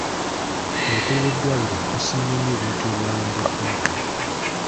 Omukulu w'eddwaliro yasiimye nnyo ebintu ebyaweereddwayo.